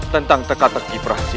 tentang teka teki prahasis ini